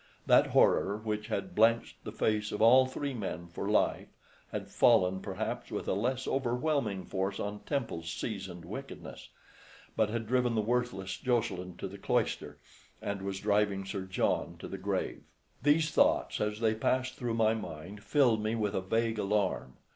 That horror which had blanched the face of all three men for life had fallen perhaps with a less overwhelming force on Temple's seasoned wickedness, but had driven the worthless Jocelyn to the cloister, and was driving Sir John to the grave. These thoughts as they passed through my mind filled me with a vague alarm.